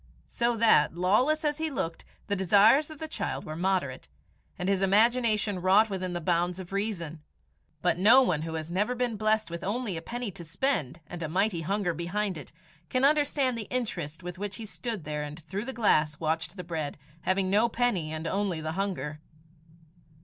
So that, lawless as he looked, the desires of the child were moderate, and his imagination wrought within the bounds of reason. But no one who has never been blessed with only a penny to spend and a mighty hunger behind it, can understand the interest with which he stood there and through the glass watched the bread, having no penny and only the hunger.